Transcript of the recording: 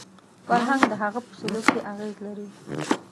فرهنګ د هغه په سلوک کې اغېز لري